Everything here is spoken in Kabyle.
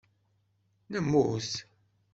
Nemmut.